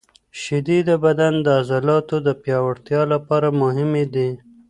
شیدې د بدن د عضلاتو د پیاوړتیا لپاره مهمې دي.